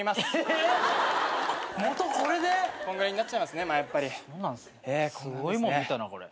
すごいもん見たなこれ。